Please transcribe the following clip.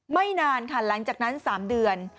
ไม่นานค่ะหลังจากนั้น๓เดือน